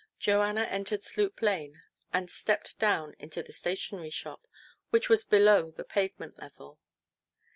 Joanna entered Sloop Lane and stepped down into the stationery shop, which was below the pavement level.